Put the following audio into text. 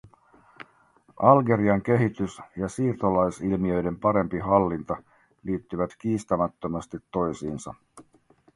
Algerian kehitys ja siirtolaisilmiöiden parempi hallinta liittyvät kiistämättömästi toisiinsa.